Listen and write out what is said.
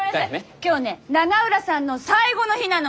今日ね永浦さんの最後の日なの。